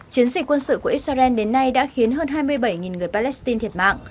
chiến dịch quân sự của israel đến nay đã khiến hơn hai mươi bảy người palestine thiệt mạng